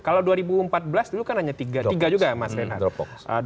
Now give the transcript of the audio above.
kalau dua ribu empat belas dulu kan hanya tiga juga ya mas renat